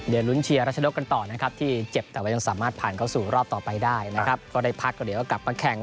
เดี๋ยวลุ้นเชียร์รัชนกกันต่อนะครับที่เจ็บแต่ว่ายังสามารถผ่านเข้าสู่รอบต่อไปได้นะครับก็ได้พักก็เดี๋ยวก็กลับมาแข่ง